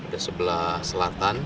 di sebelah selatan